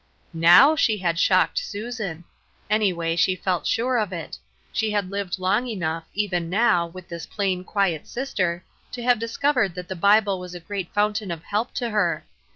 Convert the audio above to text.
Now she had shocked Susan ; anyway, she felt sure of it. She had lived long enough,, even now, with this plain, quiet sister, to have dis covered that the Bible was a great fountain of help to her.